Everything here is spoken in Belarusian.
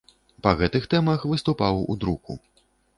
Па гэтых тэмах выступаў у друку.